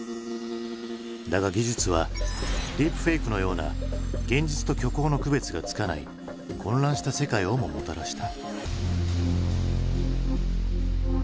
だが技術はディープフェイクのような現実と虚構の区別がつかない混乱した世界をももたらした。